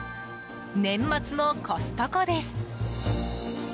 年末のコストコです。